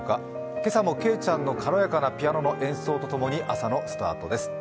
今朝もけいちゃんの軽やかなピアノの演奏と共に朝のスタートです。